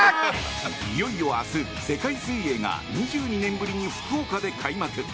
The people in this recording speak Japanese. いよいよ明日、世界水泳が２２年ぶりに福岡で開幕！